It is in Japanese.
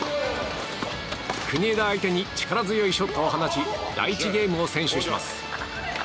国枝相手に力強いショットを放ち第１ゲームを先取します。